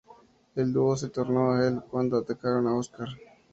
El dúo se tornó heel cuando atacaron a Oscar.